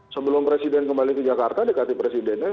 sebelum presiden kembali ke jakarta dekati presidennya